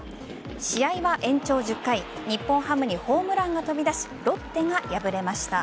試合は延長１０回日本ハムにホームランが飛び出しロッテが敗れました。